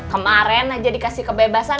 kemaren aja dikasih kebebasan